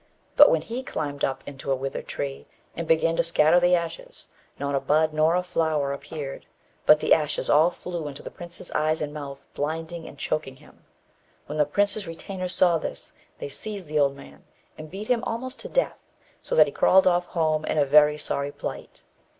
But when he climbed up into a withered tree, and began to scatter the ashes, not a bud nor a flower appeared; but the ashes all flew into the prince's eyes and mouth, blinding and choking him. When the prince's retainers saw this, they seized the old man, and beat him almost to death, so that he crawled off home in a very sorry plight.